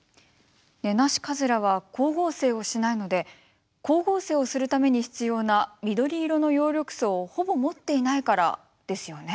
ネナシカズラは光合成をしないので光合成をするために必要な緑色の葉緑素をほぼ持っていないからですよね。